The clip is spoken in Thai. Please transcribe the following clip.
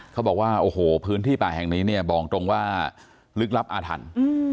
เขาบอกว่าโอ้โหพื้นที่ป่าแห่งนี้เนี่ยบอกตรงว่าลึกลับอาถรรพ์